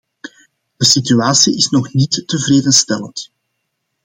De situatie is nog niet tevredenstellend.